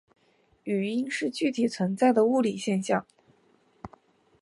语音是具体存在的物理现象。